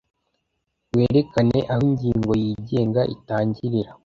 werekane aho ingingo yigenga itangirira